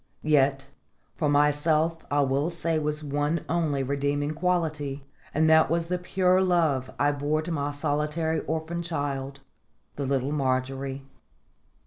Yet for myself I will say was one only redeeming quality, and that was the pure love I bore to my solitary orphaned child, the little Margery.